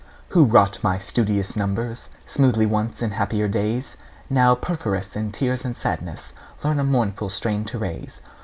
Who wrought my studious numbers Smoothly once in happier days, Now perforce in tears and sadness Learn a mournful strain to raise.